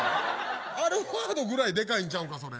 アルファードぐらいでかいちゃうんかそれ。